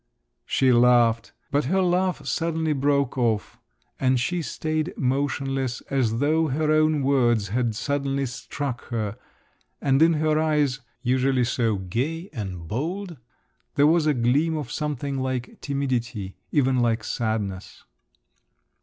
She laughed, but her laugh suddenly broke off, and she stayed motionless, as though her own words had suddenly struck her, and in her eyes, usually so gay and bold, there was a gleam of something like timidity, even like sadness.